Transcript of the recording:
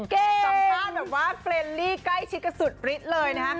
สัมภาษณ์แบบว่าเฟรนลี่ใกล้ชิดกันสุดฤทธิ์เลยนะฮะ